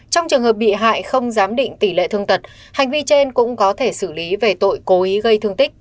trong trường hợp bị hại không giám định tỷ lệ thương tật hành vi trên cũng có thể xử lý về tội cố ý gây thương tích